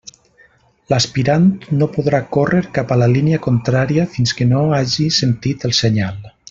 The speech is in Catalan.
L'aspirant no podrà córrer cap a la línia contrària fins que no hagi sentit el senyal.